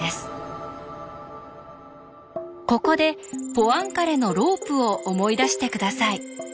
ここでポアンカレのロープを思い出して下さい。